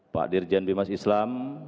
pak dirjen bimas islam